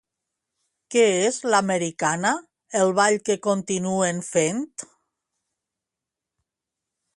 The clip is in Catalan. Què és l'americana, el ball que continuen fent?